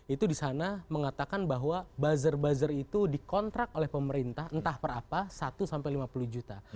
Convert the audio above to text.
itu di sana mengatakan bahwa buzzer buzzer itu dikontrak oleh pemerintah entah per apa satu sampai lima puluh juta